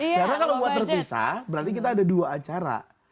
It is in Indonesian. karena kalau buat terpisah berarti kita ada dua acara